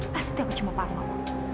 pasti aku cuma paruh